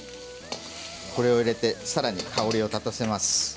これを入れて、さらに香りを立たせます。